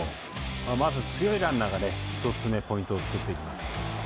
まず、強いランナーが１つ目ポイントを作っていきます。